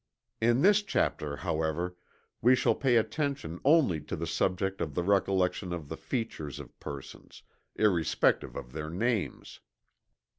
In this chapter, however, we shall pay attention only to the subject of the recollection of the features of persons, irrespective of their names.